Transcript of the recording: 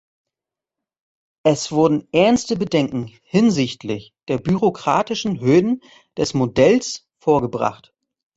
Es wurden ernste Bedenken hinsichtlich der bürokratischen Hürden des Modells vorgebracht.